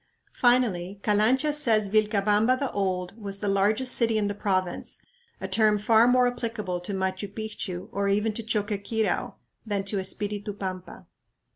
Finally Calancha says "Vilcabamba the Old" was "the largest city" in the province, a term far more applicable to Machu Picchu or even to Choqquequirau than to Espiritu Pampa.